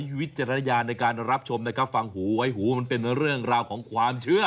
ใช้วิทยาลัยในการรับชมนะคะฟังหูไว้หูมันเป็นเรื่องราวของความเชื่อ